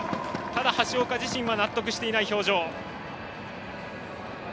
ただ、橋岡自身は納得していない表情。